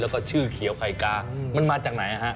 แล้วก็ชื่อเขียวไข่กามันมาจากไหนฮะ